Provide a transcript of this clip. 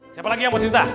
siapa lagi yang mau cerita